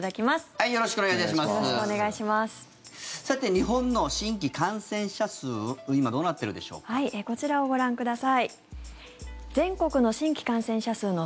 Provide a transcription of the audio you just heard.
さて、日本の新規感染者数